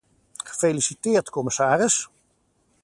Gefeliciteerd, commissaris!